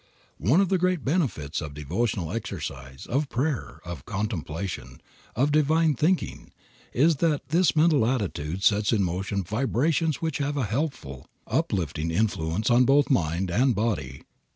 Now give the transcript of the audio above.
One of the great benefits of devotional exercise, of prayer, of contemplation, of divine thinking, is that this mental attitude sets in motion vibrations which have a helpful, uplifting influence on both mind and body.